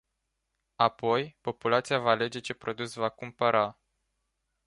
Apoi, populația va alege ce produs va cumpăra.